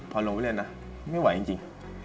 พอลงไปเล่นนะไม่ไหวจริง